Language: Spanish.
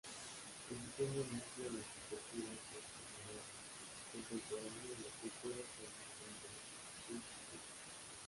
El diseño mezcla la arquitectura postmoderna contemporánea y la cultura tradicional de Suzhou.